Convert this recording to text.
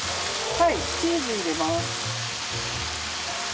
はいチーズ入れます。